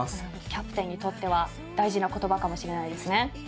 キャプテンにとっては大事な言葉かもしれないですね。